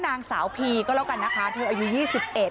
นางสาวพีก็แล้วกันนะคะเธออายุ๒๑